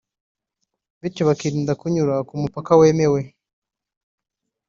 bityo bakirinda kunyura k’umupaka wemewe